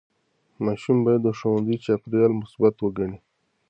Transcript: ماشوم باید د ښوونځي چاپېریال مثبت وګڼي.